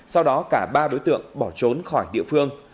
sau đó cả ba đối tượng bỏ trốn khỏi địa phương